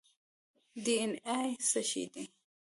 ډي این اې څه شی دی؟